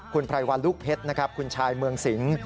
คุณพรายวัลลูกเพชรคุณชายเมืองสิง